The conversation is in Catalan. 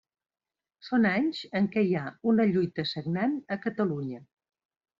Són anys en què hi ha una lluita sagnant a Catalunya.